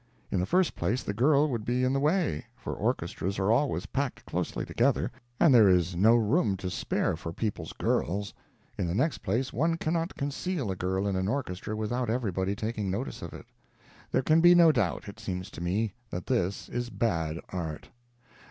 In the first place, the girl would be in the way, for orchestras are always packed closely together, and there is no room to spare for people's girls; in the next place, one cannot conceal a girl in an orchestra without everybody taking notice of it. There can be no doubt, it seems to me, that this is bad art.